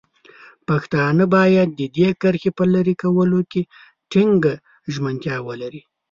پښتانه باید د دې کرښې په لرې کولو کې ټینګه ژمنتیا ولري.